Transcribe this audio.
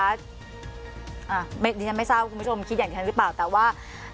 อ่าไม่ยังไม่เศร้าคุณผู้ชมคิดอย่างนี้กันหรือเปล่าแต่ว่า